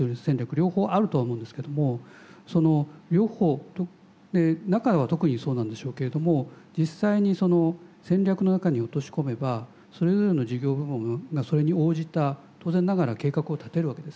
両方あるとは思うんですけどもその両方で中は特にそうなんでしょうけれども実際に戦略の中に落とし込めばそれぞれの事業部門がそれに応じた当然ながら計画を立てるわけですね。